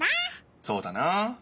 そうだな。